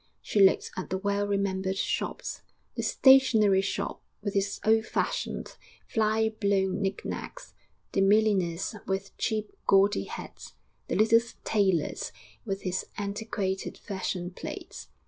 She looked at the well remembered shops, the stationery shop with its old fashioned, fly blown knick knacks, the milliner's with cheap, gaudy hats, the little tailor's with his antiquated fashion plates.